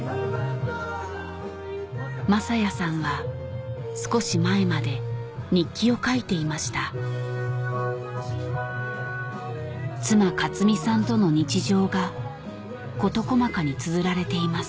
正哉さんは少し前まで日記を書いていました妻雅津美さんとの日常が事細かにつづられています